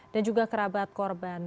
dan juga kerabat korban